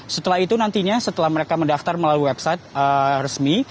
setelah itu nantinya setelah mereka mendaftar melalui website resmi